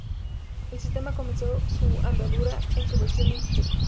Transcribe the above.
El sistema comenzó su andadura en su versión en checo.